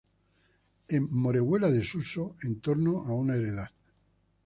En Moreruela de Suso, en torno a una heredad.